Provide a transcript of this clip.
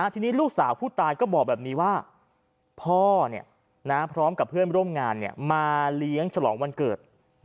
ทีนี้ลูกสาวผู้ตายก็บอกแบบนี้ว่าพ่อพร้อมกับเพื่อนร่วมงานมาเลี้ยงฉลองวันเกิด